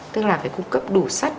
tức là phải cung cấp đủ sắt